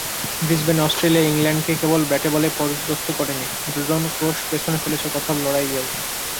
ব্রিসবেনে Australia ইংল্যান্ডকে কেবল ব্যাটে-বলেই পর্যুদস্ত করেনি যোজন-ক্রোশ পেছনে ফেলেছে কথার লড়াইয়েইও।